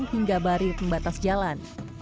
hingga barir pembatas jalan